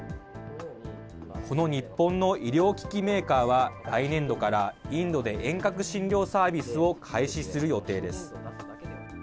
この日本の医療機器メーカーは、来年度からインドで遠隔診療サービスを開始する予定です。